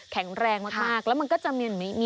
แข็งแรงมากแล้วมันก็จะมี